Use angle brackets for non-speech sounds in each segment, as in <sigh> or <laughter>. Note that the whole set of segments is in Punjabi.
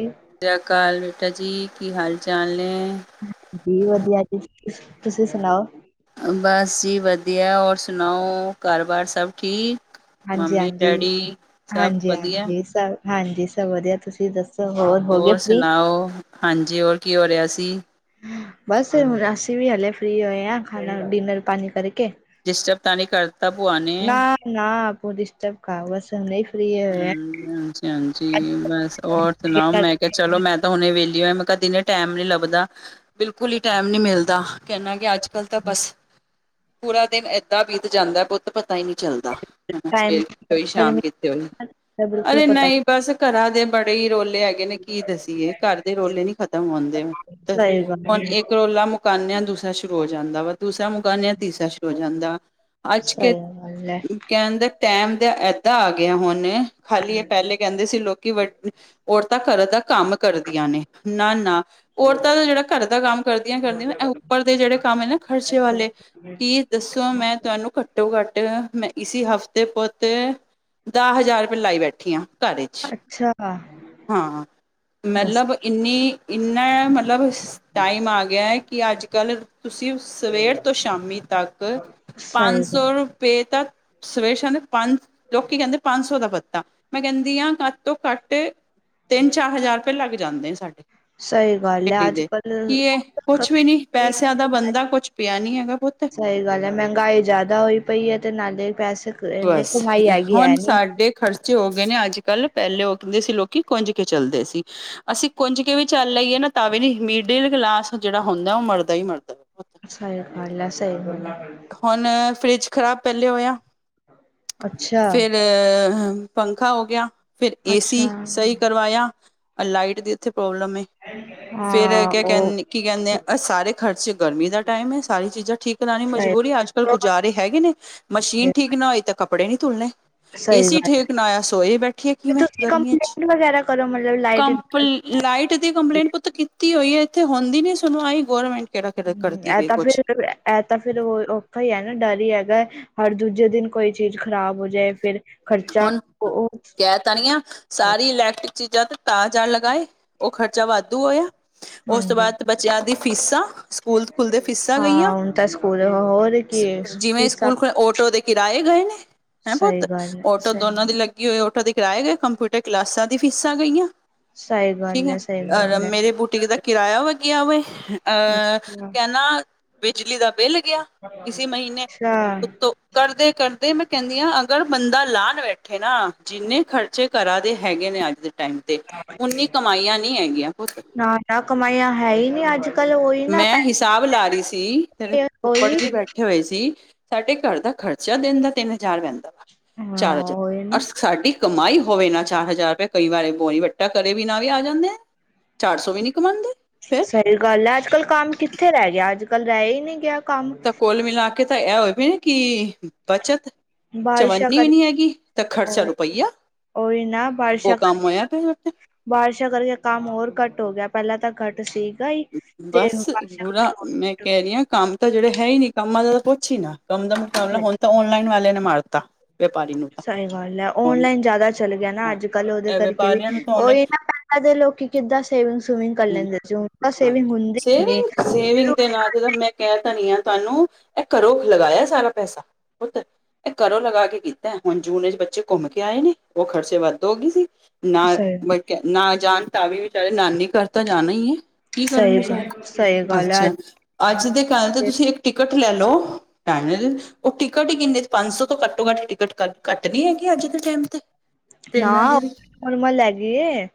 ਜ <inaudible> ਸਤਿ ਸ੍ਰੀ ਅਕਾਲ ਬੇਟਾ ਜੀ ਕੀ ਹਾਲ ਚਾਲ ਨੇ ਜੀ ਵਧੀਆ ਜੀ ਤੁਸੀਂ ਸੁਣਾਓ ਬਸ ਜੀ ਵਧੀਆ ਹੋਰ ਸੁਣਾਓ ਘਰ ਬਾਰ ਸਭ ਠੀਕ ਹਾਂਜੀ ਮੰਮੀ ਹਾਂਜੀ ਡੈਡੀ ਸਭ ਹਾਂਜੀ ਵਧੀਆ ਹਾਂਜੀ ਸ ਹਾਂਜੀ ਸਭ ਵਧੀਆ ਤੁਸੀਂ ਦੱਸੋ। ਹੋਰ ਹੋ ਗਏ ਫ੍ਰੀ ਔਫ ਹਾਂਜੀ ਹੋਰ ਕੀ ਹੋ ਰਿਹਾ ਸੀ। ਬਸ ਹੁਣ ਅਸੀਂ ਵੀ ਹਲੇ ਫ੍ਰੀ ਹੋਏ ਹਾਂ ਖਾਣਾ ਡਿਨਰ ਪਾਣੀ ਕਰਕੇ ਡਿਸਟਰਬ ਤਾਂ ਨਹੀਂ ਕਰਤਾ ਭੂਆ ਨੇ ਨਾ ਪ ਡਿਸਟਰਬ ਖਾ ਬਸ <inaudible> ਆ। ਹੂੰ ਹਾਂਜੀ ਹਾਂਜੀ ਹੋਰ ਸੁਣਾਓ ਮੈਂ ਕਿਹਾ ਚਲੋ ਮੈਂ ਹੁਣੇ ਵਿਹਲੀ ਹੋ ਮੈਂ ਕਿਹਾ ਦਿਨੇਂ ਟਾਈਮ ਨੀ ਲੱਭਦਾ ਬਿਲਕੁਲ ਹੀ ਟਾਈਮ ਮਿਲਦਾ ਕਹਿੰ ਨਾ ਕਿ ਅੱਜ ਕੱਲ ਤਾਂ ਬਸ ਪੂਰਾ ਦਿਨ ਏਦਾਂ ਬੀਤ ਜਾਂਦਾ ਪੁੱਤ ਪਤਾ ਹੀ ਨਹੀਂ ਚੱਲਦਾ ਹਨਾ ਟਾਈਮ ਸਵੇਰ ਕਿੱਥੇ ਹੋਈ ਸ਼ਾਮ ਕਿੱਥੇ ਹੋਈ ਬਿਲਕੁਲ ਅਰੇ ਪਤਾ ਨਹੀਂ ਨਹੀਂ ਬਸ ਘਰਾਂ ਦੇ ਬੜੇ ਹੀ ਰੋਲੇ ਹੈ। ਕਹਿੰਦੇ ਕੀ ਦੱਸੀਏ ਘਰ ਦੇ ਰੋਲੇ ਨੀ ਖ਼ਤਮ ਹੁੰਦੇ ਤੇ ਸਹੀ ਗੱਲ ਹੁਣ ਇੱਕ ਰੌਲਾ ਮੁਕਾਉਂਦੇ ਦੂਸਰਾ ਸ਼ੁਰੂ ਹੋ ਜਾਂਦਾ ਵਾ ਦੂਸਰਾ ਮੁਕਾਉਂਦੇ ਤੀਸਰਾ ਸ਼ੁਰੂ ਹੋ ਜਾਂਦਾ ਸਆ ਨਾ ਕਹਿੰਦੇ ਟਾਈਮ ਦਾ ਏਦਾਂ ਆ ਗਿਆ ਹੁਣ ਖਾਲੀ ਇਹ ਪਹਿਲੇ ਕਹਿੰਦੇ ਸੀ ਲੋਕੀ ਵੱ ਔਰਤਾਂ ਘਰ ਦਾ ਕੰਮ ਕਰਦੀਆਂ ਨੇ ਨਾ ਨਾ ਔਰਤਾਂ ਜਿਹੜਾ ਘਰ ਦਾ ਕੰਮ ਕਰਦੀਆਂ ਕਰਦੀਆਂ ਉੱਪਰ ਦੇ ਜਿਹੜੇ ਕੰਮ ਹੈ ਨਾ ਖਰਚੇ ਵਾਲੇ ਕੀ ਦੱਸੋ ਮੈਂ ਤੁਹਾਨੂੰ ਘੱਟੋ ਘੱਟ ਮੈਂ ਇਸ ਹਫ਼ਤੇ ਪੁੱਤ ਦਸ ਹਜ਼ਾਰ ਰੁਪਏ ਲਾਈ ਬੈਠੀ ਆ ਘਰ ਚ ਅੱਛਾ ਕਾ ਹਾਂ ਮਤਲਬ ਇੰਨੀ ਇੰਨਾ ਮਤਲਬ ਟਾਈਮ ਆ ਕਿਹਾ ਕਿ ਅੱਜ ਕੱਲ ਤੁਸੀਂ ਸਵੇਰ ਤੋਂ ਸ਼ਾਮੀ ਤੱਕ ਸਹੀ ਪੰਜ ਗੱਲ ਸੌ ਪੇ ਤਾਂ ਸਵੇਰ ਸ਼ਾਮ ਪੰਜ ਲੋਕੀ ਕਹਿੰਦੇ ਪੰਜ ਸੌ ਦਾ ਪੱਤਾ ਮੈਂ ਕਹਿੰਦੀ ਹਾਂ ਘੱਟ ਤੋਂ ਘੱਟ ਤਿੰਨ ਚਾਰ ਹਜ਼ਾਰ ਰੁਪਏ ਲੱਗ ਜਾਂਦੇ ਨੇ ਸਾਡੇ ਸਹੀ ਗੱਲ ਐ ਕਿੱਟੀ ਦੇ ਅੱਜ-ਕੱਲ ਕੀ ਇਹ ਕੁਛ ਵੀ ਨੀ ਪੈਸਿਆਂ ਦਾ ਬੰਦਾ ਕੁਛ ਪਿਆ ਨੀ ਹੈਗਾ ਪੁੱਤ ਸਹੀ ਗੱਲ ਹੈ ਮਹਿੰਗਾਈ ਜ਼ਿਆਦਾ ਹੋਈ ਪਈ ਹੈ ਤੇ ਨਾਲੇ ਪੈਸੇ ਇਨੇ ਬਸ ਕਮਾਈ ਹੈਗੀ ਹੈ ਹੁਣ ਨੀ। ਸਾਡੇ ਖਰਚੇ ਹੋ ਗਏ ਨੇ ਅੱਜ ਕੱਲ ਪਹਿਲੇ ਉਹ ਕਹਿੰਦੇ ਸੀ ਲੋਕੀ ਕੁੰਜ ਕੇ ਚੱਲਦੇ ਸੀ ਅਸੀਂ ਕੁੰਜ ਕੇ ਵੀ ਚੱਲ ਆਈਏ ਨਾ ਤਵੇ ਨੀ ਮਿਡਲ ਕਲਾਸ ਜਿਹੜਾ ਹੁੰਦਾ ਉਹ ਮਰਦਾ ਹੀ ਮਰਦਾ <unintelligible> ਹੁਣ ਫਰਿਜ਼ ਖ਼ਰਾਬ ਪਹਿਲੇ ਹੋਇਆ ਅੱਛਾ। ਅ ਪੰਖਾ ਹੋ ਗਿਆ ਫਿਰ ਅੱਛਾ। ਏਸੀ ਸਹੀ ਕਰਵਾਇਆ ਅ ਲਾਈਟ ਦੀ ਇੱਥੇ ਪ੍ਰੋਬਲਮ ਏ। <unintelligible> ਫਿਰ ਕ ਉਹ ਕਹਦੇ ਕੀ ਕਹਿੰਦੇ ਸਾਰੇ ਖ਼ਰਚੇ ਗਰਮੀ ਦਾ ਟਾਈਮ ਹੈ। ਸਾਰੀ ਚੀਜ਼ਾਂ ਠੀਕ ਪੁਰਾਣੀ ਸਹੀ ਮਜਬੂਰੀ ਅੱਜ ਕੱਲ ਗੁਜ਼ਾਰੇ ਹੈਗੇ ਨੇ ਮਸ਼ੀਨ ਠੀਕ ਨਾ ਹੋਈ ਤਾਂ ਕੱਪੜੇ ਨਹੀਂ ਤੁਲਣੇ। ਸਹੀ ਏਸੀ ਗੱਲ ਹੈ ਠੀਕ ਨਾ ਹੋਇਆ ਸੋਏ ਬੈਠੀਏ ਕਿਵੇਂ ਤੁਸੀਂ ਗਰਮੀਆਂ ਚ ਕੰਪਲੇਂਟ ਵਗੈਰਾ ਕਰੋ ਮਤਲਬ ਲਾਈਟ ਇਹ ਕੰਪੀ। ਲਾਈਟ ਦੀ ਕੰਪਲੇਂਟ ਪੁੱਤ ਕੀਤੀ ਹੋਈ ਹੈ ਇੱਥੇ ਹੁੰਦੀ ਨੀ ਸੁਣਵਾਈ ਗੌਰਮੈਂਟ। ਕਿਹੜਾ ਹੂੰ ਕਰਦੀ ਐ ਪਈ ਤਾਂ ਕੁਛ ਫਿਰ ਐ। ਇਹ ਤਾਂ ਫਿਰ ਉਹ ਔਖਾ ਹੀ ਹੈ ਨਾ ਡਰ ਹੀ ਹੈਗਾ ਹਰ ਦੂਜੇ ਦਿਨ ਕੋਈ ਚੀਜ਼ ਖ਼ਰਾਬ ਹੋ ਜਾਏ ਫਿਰ। ਖਰਚਾ ਹੁਣ ਉਹ ਕਹਿ ਤਾਂ ਰਈ ਆ। ਸਾਰੀ ਇਲੈਕਟ੍ਰਿਕ ਚੀਜ਼ਾਂ ਤੇ ਤਾਜ਼ ਜਾ ਲਗਾਏ ਉਹ ਖ਼ਰਚਾ ਵਾਧੂ ਆਇਆ ਉਸ ਤੋਂ ਹਾਂਜੀ ਬਾਅਦ‌‍ ਬੱਚਿਆਂ ਦੀਆਂ ਫੀਸਾਂ। ਸਕੂਲ ਖੁੱਲਦੇ ਫੀਸਾਂ ਹਾਂ ਗਈਆਂ ਹੁਣ ਤਾਂ ਸਕੂਲ ਹੋਰ ਕੀ ਜਿਵੇਂ ਫੀਸਾਂ ਸਕੂਲ ਖੁੱਲੇ ਆਟੋ ਦੇ ਕਿਰਾਏ ਗਏ ਨੇ। ਸਹੀ ਗੱਲ। ਓਟੋ ਦੋਨਾਂ ਸਹੀ ਦੀ ਲੱਗੀ ਹੋਏ ਓਟੋ ਦੇ ਕਰਾਏ ਗਏ ਕੰਪਿਊਟਰ ਕਲਾਸਾਂ ਦੀ ਫੀਸਾਂ ਗਈਆਂ। ਸਹੀ। ਠੀਕ ਗੱਲ ਹੈ, ਸਹੀ ਆ ਗੱਲ ਹੈ। ਮੇਰੇ ਬੂਟੀਕ ਦਾ ਕਿਰਾਇਆ ਲੱਗਿਆ ਆ ਵੇ ਆ ਅੱਛਾ। ਠੀਕ ਆ ਨਾ ਬਿਜਲੀ ਦਾ ਬਿੱਲ ਗਿਆ ਇਸੇ ਮਹੀਨੇ ਅੱਛਾ, ਉੱਤੋਂ ਕਰਦੇ ਕਰਦੇ ਮੈਂ ਕਹਿਣੀ ਅਗਰ ਬੰਦਾ ਪਲਾਨ ਵੇਖੇ ਨਾ ਜਿੰਨੇ ਖਰਚੇ ਘਰਾ ਦੇ ਹੈਗੇ ਨੇ ਅੱਜ ਟਾਈਮ ਤੇ ਉਨੀ ਕਮਾਈਆਂ ਨੀ ਹੈਗੀਆਂ ਪੁੱਤ। ਹੈ ਕਮਾਈਆਂ ਹੈ ਹੀ ਨਹੀਂ ਅੱਜ। ਮੈਂ ਹਿਸਾਬ ਲਾ ਰਹੀ ਸੀ, ਤੇ ਪੈਸੇ ਫੁਫੜ ਉਹੀ ਜੀ ਬੈਠੇ ਹੋਏ ਸੀ, ਸਾਡੇ ਘਰ ਦਾ ਖਰਚਾ ਦਿਨ ਦਾ ਤਿੰਨ ਹਜ਼ਾਰ ਪੈਂਦਾ। ਹਾਂ ਚਾਰ ਹਜਾਰ, ਉਹੀ ਅ ਨਾ। ਸਾਡੀ। ਕਮਾਈ ਹੋਵੇ ਨਾ ਚਾਰ ਹਜ਼ਾਰ ਰੁਪਏ, ਕਈ ਵਾਰੀ ਬੋਨੀ ਵੱਟਾ ਕਰੇ ਬਿਨਾ ਵੀ ਆ ਜਾਂਦੇ। ਚਾਰ ਸੌ ਵੀ ਨੀ ਕਮਾਂਦੇ ਫਿਰ ਇਹ ਗੱਲ ਹੈ ਅੱਜ-ਕੱਲ ਕੰਮ ਕਿੱਥੇ ਰਹਿ ਗਿਆ ਅੱਜ-ਕੱਲ੍ਹ ਰਹਿ ਹੀ ਨੀ ਗਿਆ। ਕੰਮ। ਤਾਂ ਕੁਲ ਮਿਲਾ ਕੇ ਤਾਂ ਏ ਹੋਇ ਪਏ ਕਿ ਬੱਚਤ ਬਾਰਿਸ਼ਾਂ ਚਵਨੀ ਵੀ ਨੀ ਹੈਗੀ ਤਾਂ ਖਰਚਾ ਰੁਪਿਆ। ੳਈ ਨਾ ਬਾਰਿਸਾ਼ ਕਰਕੇ ਤਾਂ ਬਾਰਿਸ਼ਾਂ ਕਰਕੇ ਕੰਮ ਹੋਰ ਘੱਟ ਹੋ ਗਿਆ ਪਹਿਲਾਂ ਤਾਂ ਘੱਟ ਸੀ। ਬਸ ਬੁਰਾ ਮੈਂ ਘੱਟ ਕਹਿ ਹੋ ਰਹੀ ਹ ਕੰਮ ਤਾਂ ਜਿਹੜੇ ਹੈ ਹੀ ਨੀ ਕੰਮਾਂ ਦਾ ਤਾਂ ਪੁੱਛ ਹੀ ਨਾ ਕੰਮ ਦਾ ਮੁਕਾਬਲਾ ਗਿਆ। ਹੁਣ ਤਾਂ ਔਨਲਾਈਨ ਵਾਲਿਆਂ ਨੇ ਮਾਰਤਾ। ਵਿਪਾਰੀ ਨੂੰ ਤਾਂ ਸਹੀ ਗੱਲ ਏ, ਔਨ ਔਨਲਾਈਨ ਜ਼ਿਆਦਾ ਚੱਲ ਗਿਆ ਨਾ ਹਾਂ ਅੱਜ-ਕੱਲ੍ਹ ਉਹਦੇ ਇਹ ਕਰਕੇ ਵੀ। ਵਪਾਰੀਆਂ ਨੂੰ ਤਾਂ ਉਹੀ ਔਨਲਾਈਨ ਨਾ ਪਹਿਲਾਂ ਦੇ ਲੋਕੀ ਕਿੱਦਾਂ ਸੇਵਿੰਗ-ਸੁਮਿੰਗ ਕਰ ਲੈਂਦੇ ਸੀ। ਤਾਂ ਹਾਂਜੀ, ਸੇਵਿੰਗ ਹੁੰਦੀ ਹੀ ਨੀ ਸੇਵਿੰਗ। ਸੇਵਿੰਗ ਦੇ ਨਾ ਤੇ ਮੈਂ ਕਹਿ ਤਾਂ ਰਹੀ ਆ ਤੁਹਾਨੂੰ ਇਹ ਘਰੋ ਲਗਾਇਆ ਸਾਰਾ ਪੈਸਾ ਪੁੱਤ ਏ ਘਰੋਂ ਲਗਾ ਕੇ ਕੀਤਾ, ਹੁਣ ਜੂਨ ਚ ਬੱਚੇ ਘੁੰਮ ਕੇ ਆਏ ਨੇ ਉਹ ਖ਼ਰਚੇ ਵੱਧ ਹੋ ਗਈ ਸੀ। ਸਹੀ ਨਾ ਜਾਣ ਤਾਵੀ ਵਿਚਾਰੇ ਨਾਨੀ ਘਰ ਤਾਂ ਜਾਣਾ ਹੀ ਏ। ਕੀ ਕਰਨ ਸਹੀ ਵਿਚਾਰੇ, ਗੱਲ ਸਹੀ ਗੱਲ ਹੈ ਅੱਛਾ ਅੱਜ ਦੇ ਕਹਿਣ ਤੇ ਤੁਸੀਂ ਇੱਕ ਟਿਕਟ ਲੈ ਲੳ। ਭੈਣ ੳ ਟਿਕਟ ਹੀ ਕਿੰਨੇ ਪੰਜ ਸੌ ਤੋਂ ਘੱਟੋ-ਘੱਟ ਟਿਕਟ ਘੱਟ ਨੀ ਹੈਗੀ ਅੱਜ ਦੇ ਟਾਈਮ ਤੇ। <inaudible> ਨਾ ਟ੍ਰਰੇਨਾਂ ਦੇ ਵੀ, ਨੋਰਮਲ ਹੈਗੀ ਏ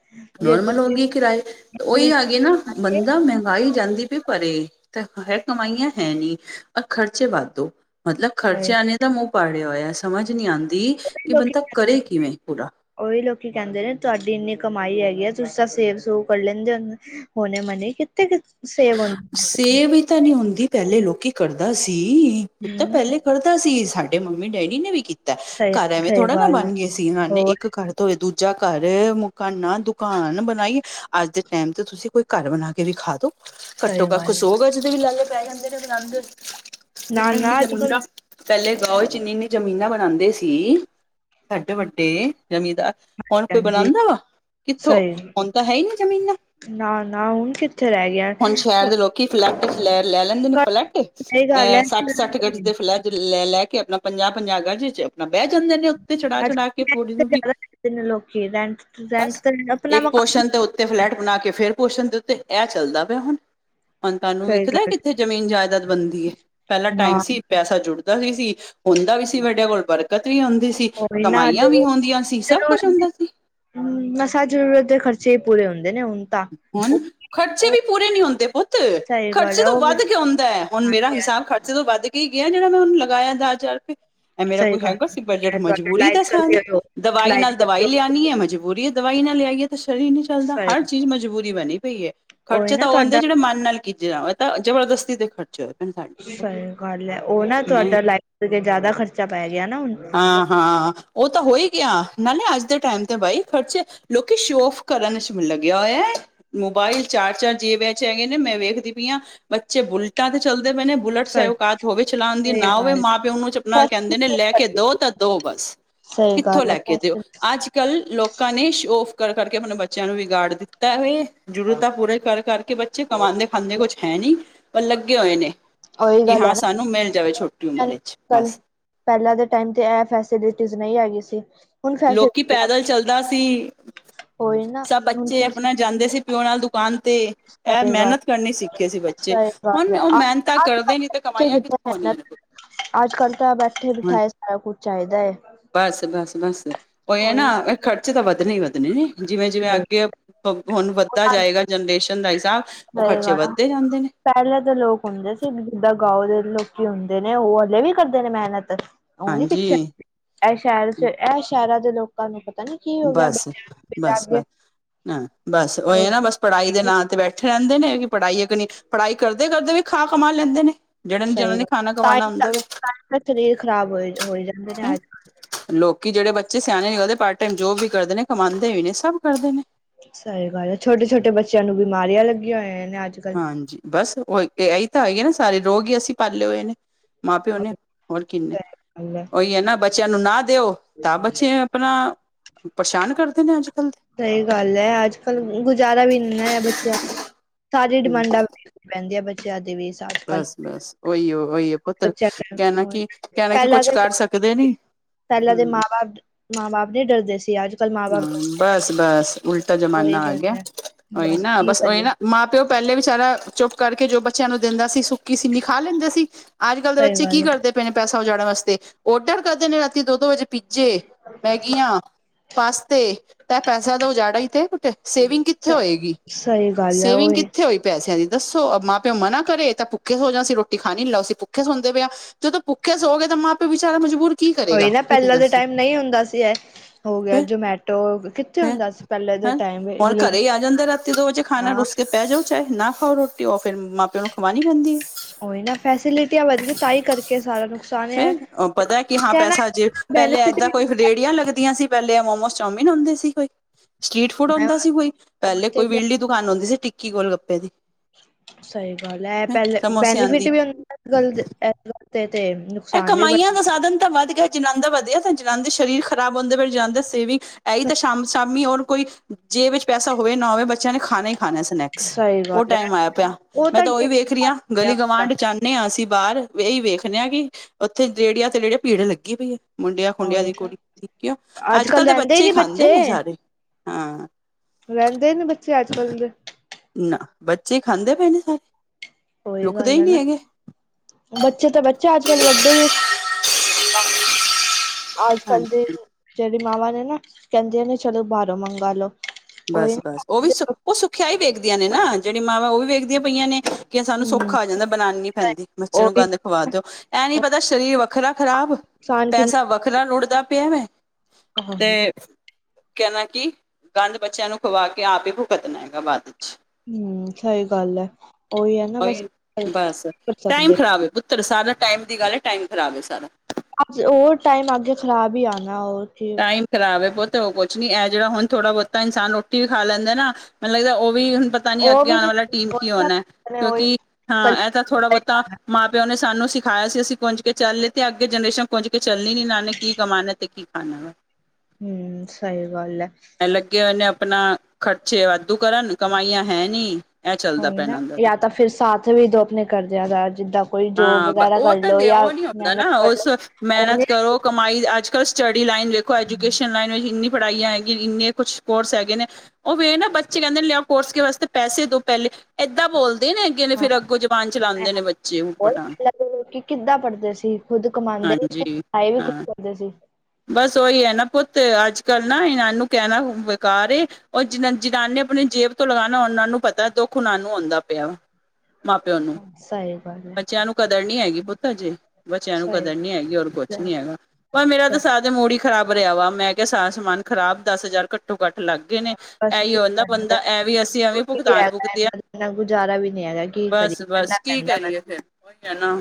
ਜੇ ਨੋਰਮਲ ਹੋ ਤੁਸੀਂ ਗਏ ਕਿਰਾਏ ਉਹੀ ਹੋ ਗਏ ਨਾ। ਬੰਦਾ। ਮਹਿੰਗਾਈ ਜਾਂਦੀ ਪਈ ਪਰੇ, ਤੇ ਹੈ ਕਮਾਈਆਂ ਹੈ ਨੀ ਆ ਖਰਚੇ ਵਾੱਧੂ। ਮਤਲਬ, ਖਰਚਿਆਂ ਨੇ ਤਾਂ ਮੂੰਹ ਪਾੜਿਆ ਹੋਇਆ, ਸਮਝ ਨੀ ਆਂਦੀ ਉਹੀ ਕਿ ਲੋਕੀ ਬੰਦਾ ਕਹਿੰਦੇ ਕਰੇ ਕਿਵੇਂ ਪੁਰਾ। ਉਹੀ ਲੋਕੀ ਕਹਿੰਦੇ ਨੇ ਤੁਹਾਡੀ ਇੰਨੀ ਕਮਾਈ ਹੈਗੀ ਆ ਤੁਸੀਂ ਤਾਂ ਸੇਵ-ਸੂਵ ਕਰ ਲੈਂਦੇ ਹੋਨੇ ਹੋ। ਉਨੇ ਮਨੇ ਕਿੱਤੇ। ਸੇਵ ਹੀ ਤਾਂ ਨੀ ਹੁੰਦੀ ਪਹਿਲੇ ਲੋਕੀ ਕਰਦਾ ਸੀ ਪੁੱਤ ਹਮ ਪਹਿਲੇ ਕਰਦਾ ਸੀ ਸਾਡੇ ਮੰਮੀ-ਡੈਡੀ ਨੇ ਵੀ ਕੀਤਾ, ਸਹੀ ਘਰ ਐਵੇਂ ਸਹੀ ਥੋੜਾ ਨਾ ਗੱਲ ਬਣ ਗਏ ਸੀ ਇਹ ਹੋਰ ਇੱਕ ਘਰ ਇਕ ਤੋ ਦੂਜਾ ਘਰ, ਮਕਾਨਾਂ, ਦੁਕਾਨ ਬਣਾਈ ਏ ਅੱਜ ਦੇ ਟਾਈਮ ਤੇ ਤੁਸੀਂ ਕੋਈ ਘਰ ਬਣਾ ਕੇ ਵਿਖਾ ਦੋ। ਸਹੀ ਘੱਟੋ-ਘੱਟ ਗੱਲ ਹੈ ਸੋ ਗਜ ਦੇ ਲਾਲੇ ਪੈ ਜਾਂਦੇ ਨੇ ਬਣਾਦੇ ਨਾ ਹੋਏ ਨਾ ਅੱਜ ਕੱਲ <unintelligible> ਪਹਿਲੇ ਗਾਉ ਵਿੱਚ ਇੰਨੀ -ਇੰਨੀ ਜ਼ਮੀਨਾਂ ਬਣਾਉਂਦੇ ਸੀ ਸਾਡੇ ਵੱਡੇ ਜ਼ਮੀਂਦਾਰ। ਹੁਣ ਕੋਈ ਹਾਂਜੀ ਬਣਾਂਦਾ ਵਾ, ਕਿੱਥੋਂ ਹੁਣ ਤਾਂ ਹੈ ਹੀ ਨਹੀਂ ਜ਼ਮੀਨਾਂ। ਨਾ-ਨਾ ਹੁਣ ਕਿੱਥੇ ਰਹਿ ਗਿਆ? ਕਿ ਫਲੈਟ ਲੈ-ਲੈ ਲੈਂਦੇ ਨੇ ਫਲੈਟ, ਸਹੀ ਗੱਲ ਅਹ ਹੈ ਸੱਠ-ਸੱਠ ਗਜ਼ ਦੇ ਫਲੈਟ ਲੈ-ਲੈ ਕੇ ਆਪਣਾ ਪੰਜਾ-ਪੰਜਾ ਗਜ ਇਚ। ਅਪਣਾ ਬੈ ਜਾਂਦੇ ਨੇ ਉੱਤੇ ਚੜਾ-ਚੜਾ ਕੇ ਪੋੜੀ ਨੂੰ ਵੀ ਜ਼ਿਆਦਾ ਲੋਕੀ ਰੈਂਟ ਰੈਂਟ ਬਸ। ਤੇ ਆਪਣਾ ਇੱਕ ਮਕਾਨ ਪੋਸ਼ਨ ਤੇ ਉ ਫਲੈਟ ਬਣਾ ਕੇ ਫੇਰ ਪੋਸ਼ਨ ਦੇ ਉੱਤੇ, ਏ ਚੱਲਦਾ ਪਿਆ ਹੁਣ-ਹੁਣ ਤੁਹਾਨੂੰ ਸਹੀ ਵਿਖਦਾ ਗੱਲ ਕਿੱਥੇ ਜ਼ਮੀਨ-ਜਾਇਦਾਦ ਬਣਦੀ ਹੈ, ਪਹਿਲਾ ਨਾ ਟਾਈਮ ਸੀ ਪੈਸਾ ਜੁੜਦਾ ਵੀ ਸੀ। ਹੁੰਦਾ ਵੀ ਸੀ ਵੱਡਿਆਂ ਕੋਲ ਬਰਕਤ ਵੀ ਹੁੰਦੀ ਸੀ ਉਹੀ ਨਾ ਕਮਾਈਆਂ ਵੀ ਹੁੰਦੀਆਂ ਸੀ ਸਭ ਕੁੱਛ ਹੁੰਦਾ ਸੀ ਹਮ ਮਸਾ ਜ਼ਰੂਰਤ ਦੇ ਖਰਚੇ ਹੀ ਪੂਰੇ ਹੁੰਦੇ ਨੇ ਹੁਣ ਤਾਂ ਹੁਣ ਖਰਚੇ ਉਹ ਵੀ ਪੂਰੇ ਨਹੀਂ ਹੁੰਦੇ ਪੁੱਤ ਸਹੀ ਗੱਲ ਖਰਚੇ ਹੈ ਤੋਂ ਉਹ ਵੀ ਵੱਧ ਕੇ ਹੁੰਦਾ ਹੈ ਹੁਣ ਮੇਰਾ ਹਾਂਜੀ ਹਿਸਾਬ ਹਾਂਜੀ ਖਰਚੇ ਤੋਂ ਵੱਧ ਕਿ ਗਿਆ ਜਿਹੜਾ ਮੈਂ ਉਹਨੂੰ ਲਗਾਇਆ ਦਾ ਚਾਰ ਕੇ ਇਹ ਮੇਰਾ ਸਹੀ ਕੋਈ ਗੱਲ ਹੈਗਾ ਸੀ ਬਜਟ ਹੈ ਤੁਹਾਡੇ ਮਜਬੂਰੀ ਲਾਈਟ ਦੱਸਾਂ ਹੁਣ ਕਰਕੇ ਹੋ ਦਵਾਈ ਲਾਈਟ ਨਾਲ ਦਵਾਈ ਕਰਕੇ ਲਿਆਉਣੀ ਹੈ ਮਜਬੂਰੀ ਦਵਾਈ ਨਾ ਲਿਆਈਏ ਤੇ ਸ਼ਰੀਰ ਨੀ ਚੱਲਦਾ ਹਰ ਸਹੀ ਚੀਜ ਮਜਬੂਰੀ ਬਣੀ ਪਈ ਹੈ ਉਹੀ ਖਰਚੇ ਨਾ ਤਾਂ ਉਹ ਆਉਂਦੇ ਤੁਹਾਡਾ ਜਿਹੜੇ ਮਨ ਨਾਲ ਕੀਤੇ ਜਾਣ ਇਹ ਤਾਂ ਜਬਰਦਸਤੀ ਦੇ ਖਰਚੇ ਹੋਏ ਪਏ ਨੇ ਸਾਡੇ ਸਹੀ ਗੱਲ ਹੈ ਉਹ ਨਾ ਮੈਂ ਤੁਹਾਡਾ ਲਾਇਟ ਤੇ ਜਿਆਦਾ ਖਰਚਾ ਪੈ ਗਿਆ ਨਾ ਹੁਣ ਹਾਂ ਹਾਂ ਉਹ ਤਾਂ ਹੋ ਹੀ ਗਿਆ ਨਾਲੇ ਅੱਜ ਦੇ ਟੈਮ ਤੇ ਬਾਈ ਖਰਚੇ ਲੋਕੀ ਸ਼ੋ ਔਫ਼ ਕਰਨ ਚ ਲੱ ਕਿਆ ਹੋਇਆ ਮੋਬਾਇਲ ਚਾਰ ਚਾਰ ਜੇਬਾਂ ਚ ਹੈਗੇ ਨੇ ਮੈਂ ਵੇਖਦੀ ਪਈ ਹਾਂ ਬੱਚੇ ਬੁਲਟਾਂ ਤੇ ਚੱਲਦੇ ਪਏ ਨੇ ਬੁਲਟ ਚਾਹੇ ਸਹੀ ਔਕਾਤ ਹੋਵੇ ਚਲਾਉਣ ਦੀ ਸਹੀ ਨਾ ਹੋਵੇ ਗੱਲ ਮਾਂ ਪਿਓ ਨੂੰ ਆਪਣਾ ਕਹਿੰਦੇ ਨੇ ਲੈ ਕੇ ਦੋ ਤਾਂ ਦੋ ਬਸ ਸਹੀ ਕਿੱਥੋਂ ਗੱਲ ਹੈ ਲੈ ਕੇ ਦਿਓ ਪੈਸੇ ਅੱਜ ਕੱਲ ਲੋਕਾਂ ਨੇ ਸ਼ੋ ਔਫ਼ ਕਰ ਕਰ ਕੇ ਆਪਣੇ ਬੱਚਿਆਂ ਨੂੰ ਵਿਗਾੜ ਦਿੱਤਾ ਹੈ ਜ਼ਰੂਰਤਾਂ ਪੂਰੀ ਕਰ ਕਰ ਕੇ ਬੱਚੇ ਕਮਾਉਂਦੇ ਖਾਂਦੇ ਕੁੱਛ ਹੈ ਨਹੀਂ ਔਰ ਲੱਗੇ ਹੋਏ ਨੇ ਉਹੀ ਕਿ ਗੱਲ ਹਾਂ ਹੈ ਸਾਨੂੰ ਮਿਲ ਜਾਵੇ ਛੋਟੀ ਨਾ ਉਮਰ ਇੱਚ ਕੱਲ ਬਸ ਪਹਿਲਾਂ ਦੇ ਟਾਇਮ ਤੇ ਇਹ ਫੈਸਿਲਿਟੀਸ ਨਹੀਂ ਹੈਗੀ ਸੀ ਹੁਣ ਫੈਸ ਲੋਕੀ ਪੈਦਲ ਚੱਲਦਾ ਉਹੀ ਨਾ ਹਮ ਚੇ ਆਪਣਾ ਜਾਂਦੇ ਸੀ ਪਿਓ ਨਾਲ ਦੁਕਾਨ ਤੇ ਏਹ ਸਹੀ ਗੱਲ ਮਿਹਨਤ ਕਰਨੀ ਸਿੱਖੇ ਸੀ ਬੱਚੇ ਸਹੀ ਗੱਲ ਹੁਣ ਹੈ ਉਹ ਮਿਹਨਤਾਂ ਅੱਜ ਕੱਲ ਕਰਦੇ ਨੀ ਤੇ ਬੱਚੇ ਕਮਾਈਆਂ ਕਿੱਥੇ ਕਿਥੋਂ ਹੋਣੀਆਂ ਨੇ ਮਿਹਨਤ ਅੱਜ ਕੱਲ ਤਾਂ ਬੈਠੇ ਹੁਣ ਬਿਠਾਏ ਸਾਰਾ ਕੁੱਛ ਚਾਹੀਦਾ ਹੈ ਬਸ ਬਸ ਬਸ ਉਹੀ ਹੈ ਨਾ ਖਰਚੇ ਤਾਂ ਵੱਧਣੇ ਹੀ ਵਧਣੇ ਨੇ ਜਿਵੇਂ ਜਿਵੇਂ ਨਾ <unintelligible> ਹੁਣ ਵੱਧਦਾ ਜਾਏਗਾ ਜਨਰੇਸ਼ਨ ਦਾ ਹਿਸਾਬ ਉਹ ਖਰਚੇ ਹੋਏਗਾ ਨਾ ਵੱਧਦੇ ਜਾਂਦੇ ਨੇ ਪਹਿਲਾਂ ਦੇ ਲੋਕ ਹੁੰਦੇ ਸੀ ਜਿੱਦਾਂ ਗਾਂਓ ਦੇ ਲੋਕੀ ਹੁੰਦੇ ਨੇ ਉਹ ਹਲੇ ਵੀ ਕਰਦੇ ਨੇ ਮਿਹਨਤ ਉਹ ਨੀ ਹਾਂਜੀ ਪਿੱਛੇ ਇਹ ਸ਼ਹਿਰ ਚ ਇਹ ਸ਼ਹਿਰਾਂ ਦੇ ਲੋਕ ਤੁਹਾਨੂੰ ਪਤਾ ਨੀ ਕੀ ਹੋ ਗਿਆ ਬਸ ਬਸ ਬਸ <unintelligible> ਹਾਂ ਬਸ ਉਹੀ ਨਾ ਬਸ ਪੜ੍ਹਾਈ ਦੇ ਨਾਂ ਤੇ ਬੈਠ ਠੇ ਰਹਿੰਦੇ ਨੇ ਕਿ ਪੜ੍ਹਾਈ ਹੈ ਕਿ ਨਹੀਂ ਪੜ੍ਹਾਈ ਕਰਦੇ ਕਰਦੇ ਵੀ ਖਾ ਕਮਾ ਲੈਂਦੇ ਨੇ ਜਿਹੜੇ ਜਿਹਨਾਂ ਸਹੀ ਨੇ ਖਾਣਾ ਗੱਲ ਕਮਾਉਣਾ ਤਾਂਹੀ ਤਾਂ ਹੁੰਦਾ ਵਾ ਤਾਹੀਂ ਸ਼ਰੀਰ ਖ਼ਰਾਬ ਹੋਈ ਹੋਈ ਜਾਂਦੇ ਨੇ ਹੈਂ ਅੱਜ ਲੋਕੀ ਜਿਹੜੇ ਬੱਚੇ ਸਿਆਣੇ ਨੇ ਉਹਦੇ ਪਾਰਟ ਟੈਮ ਜੋਬ ਵੀ ਕਰਦੇ ਨੇ ਕਮਾਂਦੇ ਵੀ ਨੇ ਸਭ ਕਰਦੇ ਨੇ ਸਹੀ ਗੱਲ ਹੈ ਛੋਟੇ ਛੋਟੇ ਬੱਚਿਆਂ ਨੂੰ ਬਿਮਾਰੀਆਂ ਲੱਗੀਆਂ ਹੋਈਆਂ ਨੇ ਅੱਜ ਕੱਲ ਹਾਂਜੀ ਬਸ ਉਹੀ ਇੱਕ ਏਹੀ ਤਾਂ ਹੈਗੀ ਨਾ ਸਾਰੇ ਰੋਗ ਹੀ ਅਸੀਂ ਪਾਲੇ ਹੋਏ ਨੇ ਮਾਂ ਪਿਓ ਨੇ ਹੋਰ ਕਿੰਨੇ ਉਹੀ ਹੈ ਨਾ ਬੱਚਿਆਂ ਨੂੰ ਨਾ ਦਿਓ ਤਾਂ ਬੱਚੇ ਆਪਣਾ ਪਰਸ਼ਾਨ ਕਰਦੇ ਨੇ ਅੱਜ ਕੱਲ੍ਹ ਦੇ ਸਹੀ ਗੱਲ ਹੈ ਅੱਜ ਕੱਲ ਗੁਜ਼ਾਰਾ ਵੀ ਨਹੀਂ ਨਾ ਬੱਚਿਆਂ ਸਾਰੀਆਂ ਦੇ ਡਿਮਾਂਡਾ ਬਹਿੰਦੇ ਆ ਬੱਚਿਆਂ ਦੀ <unintelligible> ਬਸ ਬਸ ਉਹੀ ਹੋ ਉਹੀ ਪੁੱਤਰ ਬੱਚਿਆਂ ਕਹਿਣਾ ਕੀ ਕਹਿਣਾ ਕੀ ਪਹਿਲਾਂ ਕੁੱਛ ਦੇ ਕਰ ਸਕਦੇ ਨੀ ਪਹਿਲਾਂ ਦੇ ਮਾਂ ਹਮ ਬਾਪ ਮਾਂ ਬਾਪ ਨੀ ਡਰਦੇ ਸੀ ਅੱਜ ਕੱਲ੍ਹ ਮਾਂ ਬਾਪ ਹਮ ਡਰਦੇ ਨੇ। ਬਸ ਬੱਸ ਉਲਟਾ ਉਹੀ ਜਮਾਨਾ ਆ ਗੱਲ ਗਿਆ ਹੈ ਉਈ ਬਸ ਨਾ ਕੀ ਬੱਸ ਉਈ ਕਰੀਏ ਨਾ ਮਾਂ ਪਿਓ ਪਹਿਲੇ ਵਿਚਾਰਾ ਚੁੱਪ ਕਰਕੇ ਜੋ ਬੱਚਿਆਂ ਨੂੰ ਦਿੰਦਾ ਸੀ ਸੁੱਕੀ ਸੀਨੀ ਖਾ ਲੈਂਦੇ ਸੀ ਅੱਜ ਕੱਲ ਦੇ ਸਹੀ ਬੱਚੇ ਕੀ ਗੱਲ ਹੈ ਕਰਦੇ ਪਏ ਨੇ ਪੈਸਾ ਉਜਾੜਣ ਵਾਸਤੇ ਔਡਰ ਕਰਦੇ ਨੇ ਰਾਤੀ ਦੋ ਦੋ ਵਜੇ ਪੀਜੇ ਮੈਗੀਆਂ ਪਾਸਤੇ ਤਾਂ ਪੈਸਾ ਤਾਂ ਉਜਾੜਾ ਹੀ ਤੇ ਸੇਵਿੰਗ ਕਿੱਥੇ ਸ ਹੋਏਗੀ ਸਹੀ ਗੱਲ ਹੈ ਸੇਵਿੰਗ ਉਹੀ ਕਿੱਥੇ ਹੋਏ। ਪੈਸਿਆਂ ਦੀ ਦੱਸੋ ਮਾਂ ਪਿਓ ਮਨਾ ਕਰੇ ਤਾਂ ਭੁੱਖੇ ਸੋ ਜਾ ਅਸੀ ਰੋਟੀ ਖਾ ਨੀ ਲਾਓ ਅਸੀ ਭੁੱਖੇ ਸੌਦੇ ਪਏ ਆ। ਜਦੋਂ ਭੁੱਖੇ ਸੋਗੇ ਤਾਂ ਮਾਂ ਪਿਓ ਵਿਚਾਰਾ ਮਜਬੂਰ ਕੀ ਕਰੇਗਾ ਉਹੀ ਨਾ ਤੁਸੀਂ ਪਹਿਲਾਂ ਦੇ ਦੱਸੋ ਟਾਈਮ ਨਹੀਂ ਹੁੰਦਾ ਸੀ ਇਹ ਹੋ ਗਿਆ ਤੇ ਜੋਮੈਟੋ ਕਿੱਥੇ ਹੁੰਦਾ ਸੀ ਪਹਿਲੇ ਦੇ ਹੈਂ ਟਾਈਮ ਇਹ ਬਲਿੰਕ ਮੈਂ ਕਿਆ ਤੇ ਪੈ ਜਾਓ ਚਾਹੇ ਨਾ ਖਾਓ ਰੋਟੀ ਉਹ ਫਿਰ ਮਾਂ ਪਿਓ ਨੂੰ ਖਵਾਣੀ ਪੈਂਦੀ ਏ ਉਹੀ ਨਾ ਫੈਸਿਲਿਟੀਆਂ ਵਧੀਆਂ ਤਾਂਹੀ ਕਰਕੇ ਸਾਰਾ ਨੁਕਸਾਨ ਹੈ। ਉਹ ਪਤਾ ਕਿ ਹਾਂ ਕਹਿਣਾ ਪੈਸਾ ਅਜੇ ਪਹਿਲੇ ਬੈਨੀਫਿਟ ਇੱਦਾਂ ਵੀ ਕੋਈ ਰੇੜੀਆਂ ਲੱਗਦੀਆਂ ਸੀ ਪਹਿਲੇ ਮੋਮੋਸ ਚੋਮਿਨ ਹੁੰਦੇ ਸੀ ਕੋਈ? ਸਟ੍ਰਰੀਟ ਫੂਡ ਹੁੰਦਾ ਸੀ ਕੋਈ ਪਹਿਲੇ ਕੋਈ ਵਿਰਲੀ ਦੁਕਾਨ ਹੁੰਦੀ ਸੀ ਟਿੱਕੀ ਗੋਲ ਗੱਪੇ ਦੀ। ਸਹੀ ਗੱਲ ਹੈ ਪਹਿਲੇ ਸਮੋਸੇ ਆਂਦੀ ਬੈਨੀਫਿਟ ਵੀ ਹੁੰਦਾ ਇਸ ਗੱਲ ਇਸ ਗੱਲ ਤੇ ਤੇ ਇਹ ਨੁਕਸਾਨ ਵੀ ਕਮਾਈਆਂ ਦਾ ਬੜਾ ਸਾਧਨ ਤੇ ਵੱਧ ਗਏ ਜਿਨਾਂ ਦਾ ਵਧਿਆ ਤੇ ਜਿਨਾਂ ਦੇ ਸਰੀਰ ਖਰਾਬ ਹੁੰਦੇ ਪਏ ਜਿਨਾਂ ਦੇ ਸੇਵਿੰਗ ਇਹੀ ਤਾਂ ਸ਼ਾਮ ਸ਼ਾਮੀ ਔਰ ਕੋਈ ਜੇਬ ਵਿੱਚ ਪੈਸਾ ਹੋਵੇ ਨਾ ਹੋਵੇ ਬੱਚਿਆਂ ਨੇ ਖਾਣਾ ਹੀ ਖਾਣਾ ਸੀ। ਸਨੈਕਸ ਸਹੀ ਉਹ ਗੱਲ ਹੈ ਟਾਈਮ ਆਇਆ ਪਿਆ ਉਹ ਮੈਂ ਤਾਂ ਉਹੀ ਵੇਖ ਰਹੀ ਹਾਂ ਗਲੀ ਹੁੰਦਾ ਗਵਾਂਢ ਚੰ ਨਹੀਂ ਅਸੀਂ ਬਾਹਰ ਇਹੀ ਵੇਖਦੇ ਆ ਕਿ ਉੱਥੇ ਰੇਹੜੀਆਂ ਤੇ ਰੇੜਆ ਭੀੜ ਲੱਗੀ ਪਈ ਹੈ। ਮੁੰਡਿਆਂ ਖੁੰਡਿਆਂ ਉਹੀ ਦੀ ਨਾ ਕੁੜੀ ਕਿਉਂ ਅੱਜ ਕੱਲ ਕੱਲ੍ਹ ਤਾਂ ਰਹਿੰਦੇ ਹੀ ਬੱਚੇ ਨੀ ਖਾਂਦੇ ਨੇ ਸਾਰੇ ਹਾਂ ਰਹਿੰਦੇ ਨੇ ਬੱਚੇ ਅੱਜ ਕੱਲ ਦੇ। ਨਾ ਬੱਚੇ ਖਾਂਦੇ ਪਏ ਨੇ ਸਾਰੇ। ਉਹੀ ਰੁਕਦੇ ਗੱਲ ਹੀ ਆ ਨਹੀਂ ਨਾ। ਹੈਗੇ ਬੱਚੇ ਤਾਂ ਬੱਚੇ ਅੱਜ ਕੱਲ ਵੱਡੇ ਵੀ ਅੱਜ ਕੱਲ ਦੀ ਹਾਂਜੀ ਜਿਹੜੀ ਮਾਵਾਂ ਨੇ ਨਾ ਕਹਿੰਦੀਆਂ ਨੇ ਚਲੋ ਬਾਹਰੋਂ ਮੰਗਾ ਲੋ ਉਹੀ ਬਸ ਹਮ ਬਸ ਉਹ ਵੀ ਉਹ ਸੁੱਖਿਆਈ ਵੇਖਦੀਆਂ ਨੇ ਨਾ ਜਿਹੜੀ ਮਾਵਾਂ ਉਹ ਵੀ ਵੇਖਦੀਆਂ ਪਈਆਂ ਨੇ। ਕਿ ਸਾਨੂੰ ਸੌਖਾ ਆ ਜਾਂਦਾ ਬਣਾਣੀ ਨੀ ਪੈਂਦੀ ਬੱਚੇ ਉਹ ਨੂੰ ਵੀ ਗੰਦ ਖਵਾ ਦਿਓ ਐ ਨੀ ਪਤਾ ਸਰੀਰ ਵੱਖਰਾ ਖ਼ਰਾਬ ਨੁਕਸਾਨ ਕਿੰਨਾ ਪੈਸਾ ਵੱਖਰਾ ਰੁੜਦਾ ਪਿਆ ਵੈ ਤੇ ਹਮ ਕਹਿਣਾ ਕੀ ਗੰਧ ਬੱਚਿਆਂ ਨੂੰ ਖਵਾ ਕੇ ਆਪ ਹੀ ਭੁਗਤਣਾ ਹੈਗਾ ਬਾਅਦ ਚ। ਹੂੰ ਸਹੀ ਗੱਲ ਆ ਉਹੀ ਹੈ ਨਾ ਬਸ ਕਰ ਸਕਦੇ ਖਰਾਬ ਹੈ ਪੁੱਤ। ਸਾਰਾ ਟਾਈਮ ਦੀ ਗੱਲ ਹੈ ਟਾਈਮ ਖਰਾਬ ਏ ਸਾਰਾ। ਅੱਜ ਉਹ ਟਾਈਮ ਅੱਗੇ ਖ਼ਰਾਬ ਹੀ ਆਣਾ ਉਹ ਟਾਈਮ ਖਰਾਬ ਹੈ ਪੁੱਤ ਹੋਰ ਕੁਛ ਨੀ ਇਹ ਜਿਹੜਾ ਹੁਣ ਥੋੜਾ ਬਹੁਤਾ ਇਨਸਾਨ ਰੋਟੀ ਵੀ ਖਾ ਲੈਂਦਾ ਨਾ ਮੈਨੂੰ ਲੱਗਦਾ ਉਹ ਵੀ ਹੁਣ ਪਤਾ ਨੀ ਉਹ ਅੱਗੇ ਵੀ ਆਉਣ ਵਾਲਾ ਟੀਮ ਕੀ ਹੋਣਾ ਹੈ ਉਹੀ ਕਿਉਂਕਿ ਹਾਂ ਇਹ ਤਾਂ ਥੋੜ੍ਹਾ ਬਹੁਤਾ ਮਾਂ ਪਿਓ ਨੇ ਸਾਨੂੰ ਸਿਖਾਇਆ ਸੀ ਅਸੀਂ ਗੁੰਜ ਕੇ ਚੱਲ ਗੇ ਤੇ ਅੱਗੇ ਜਨਰੇਸ਼ਨ ਕੁੁਝ ਕੇ ਚੱਲਣੀ ਨੀ ਇਹਨਾਂ ਨੇ ਕੀ ਕਮਾਨਣਾ ਤੇ ਕੀ ਖਾਣਾ ਵਾ। ਹੂੰ ਸਹੀ ਗੱਲ ਐ ਇਹ ਲੱਗੇ ਹੋਏ ਨੇ ਆਪਣਾ ਖਰਚੇ ਵਾਧੂ ਕਰਨ ਕਮਾਈਆਂ ਹੈ ਨੀ। ਇਹ ਚੱਲਦਾ ਹੋਵੇ ਪਿਆ ਨਾ ਇਹਨਾਂ ਦਾ ਜਾਂ ਤਾਂ ਫਿਰ ਸਾਥ ਵੀ ਦੋ ਆਪਣੇ ਘਰ ਦਿਆਂ ਦਾ ਜਿੱਦਾਂ ਕੋਈ ਜੋਬ ਹਾਂ ਵਗੈਰਾ ਉਹ ਕਰ ਤਾਂ ਲਓ ਦੇ ਜਾਂ ਉਹ ਨੀ ਹੁੰਦਾ ਮਿਹਨਤ ਨਾ ਕਰ ਲੋ ਉਸ ਉਹਨੇ ਮਿਹਨਤ ਕਰੋ ਕਮਾਈ ਅੱਜ ਕੱਲ੍ਹ ਸਟੱਡੀ ਲਾਈਨ ਦੇੇਖੋ ਐਜੂਕੇਸ਼ਨ ਲਾਈਨ ਵਿੱਚ ਇੰਨੀ ਪੜ੍ਹਾਈਆਂ ਹੈਗੀ ਇੰਨੇ ਕੁਛ ਕੋਰਸ ਹੈਗੇ ਨੇ ਉਵੇ ਨਾ ਬੱਚੇ ਕਹਿੰਦੇ ਨੇ ਲਿਆਓ ਕੋਰਸ ਕੇ ਵਾਸਤੇ ਪੈੇ ਦੋ ਪਹਿਲੇ ਏਦਾਂ ਬੋਲਦੇ ਨੇ ਕੇਂਦੇ ਹਾਂ ਫਿਰ ਅੱਗੋਂ ਜਬਾਨ ਚਲਾਂਦੇ ਨੇ ਬੱਚੇ ਬਹੁਤ ਊਟਪਟਾਂਗ ਪਹਿਲਾਂ ਕਿ ਕਿੱਦਾਂ ਹਾਂਜੀ ਆਾਏ ਵੀ ਕੁਛ ਹਾਂ ਕਰਦੇ ਸੀ ਬਸ ਉਹੀ ਹੈ ਨਾ ਪੁੱਤ ਅੱਜ ਕੱਲ੍ਹ ਨਾ ਇਨਾਂ ਨੂੰ ਕੈਨਾ ਬੇਕਾਰ ਏ ਉਹ ਜਿਨਾਂ ਜਿਨ੍ਹਾਂ ਨੇ ਆਪਣੀ ਜੇਬ ਤੋਂ ਲਗਾਣਾ ਉਹਨਾਂ ਨੂੰ ਪਤਾ ਦੁੱਖ ਉਹਨਾਂ ਨੂੰ ਹੁੰਦਾ ਪਿਆ ਵਾ ਮਾਂ ਪਿਓ ਨੂੰ ਸਈ ਗੱਲ ਬੱਚਿਆਂ ਨੂੰ ਕਦਰ ਨੀ ਹੈਗੀ ਹੈ ਪੁੱਤ ਅਜੇ ਬੱਚਿਆਂ ਨੂੰ ਸਹੀ ਕਦਰ ਨੀ ਐਗੀ ਔਰ ਕੁਛ ਗੱਲ ਨੀ ਐਗਾ। ਪਰ ਮੇਰਾ ਤੇ ਸਾਰਾ ਦਿ ਮੂੜ ਈ ਖ਼ਰਾਬ ਰਿਆ ਵਾ ਮੈਂ ਕਿਆ ਸਾਰਾ ਸਮਾਨ ਖਰਾਬ ਦਸ ਹਜਾਰ ਕੱ ਕੱਟੋ ਕੱਟ ਲੱਗ ਗੇ ਨੇ ਬਸ ਐਈ ਕੀ ਹੁੰਦਾ ਕਰੀਏ ਬੰਦਾ ਐਂਵੀ ਅਸੀ ਐਵੇਂ ਭੁਗਤਾਨ ਭੁਗਦੇ ਆ ਨਾ ਗੁਜਾਰਾ ਬਸ, ਬਸ ਕੀ ਕਰੀਏ ਫੇਰ ਓ ਈ ਐ ਨਾ।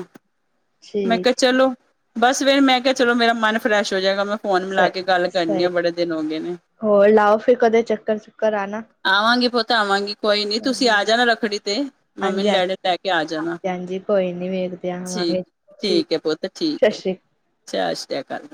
ਮੈ ਕਿਆ ਠੀਕ ਚਲੋ ਬਸ ਫੇਰ ਮੈਂ ਕਿਆ ਚਲੋ ਮੇਰਾ ਮਨ ਫਰੈਸ਼ ਹੋ ਜਾਏਗਾ ਮੈਂ ਫੋਨ ਮਿਲਾ ਸਹੀ ਕੇ ਗੱਲ ਕਰਨੀ ਸਹੀ ਆਂ ਬੜੇ ਦਿਨ ਹੋਗੇ ਨੇ। ਹੋਰ ਲਾਓ ਫਿਰ ਕਦੇ ਚੱਕਰ ਚੁੱਕਰ ਆਣਾ ਆਵਾਂਗੀ ਪੁੱਤ ਆਵਾਂਗੀ। ਕੋਈ ਨੀ ਤੁਸੀ ਹਾਂਜੀ ਆ ਜਾਣਾ ਰੱਖੜੀ ਤੇ ਮੰਮੀ ਹਾਂਜੀ ਹਾਂਜੀ ਲੈੜੇ ਲੈ ਕੇ ਆ ਜਾਨਾ, ਹਾਂਜੀ ਕੋਈ ਨੀ ਵੇਖਦੇ ਠੀਕ। ਆਵਾਂਗੇ ਠੀਕ ਏ ਪੁੱਤ ਠੀਕ ਸਤਿ ਏ ਸ੍ਰੀ ਸ਼ਾਸ਼ਰੀਆਕਾਲ।